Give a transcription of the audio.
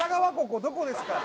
ここどこですか？